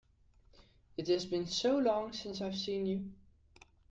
It has been so long since I have seen you!